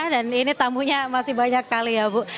dan ini tamunya masih banyak sekali ya bu